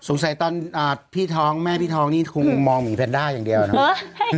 สงสัยตอนพี่ท้องแม่พี่ท้องนี่คงมองหมีแพระด้าอย่างเดียวเนาะ